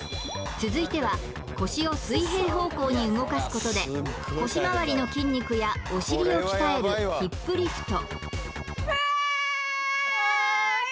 続いては腰を水平方向に動かすことで腰回りの筋肉やお尻を鍛えるヒップリフト